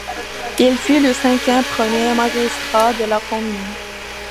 Il fut le cinquième premier magistrat de la commune.